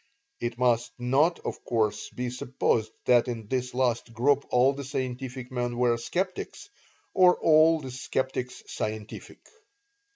(It must not, of course, be supposed that in this last group all the scientific men were sceptics, or all the sceptics scientific.)